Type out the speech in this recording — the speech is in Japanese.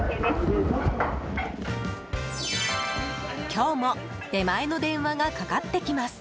今日も出前の電話がかかってきます。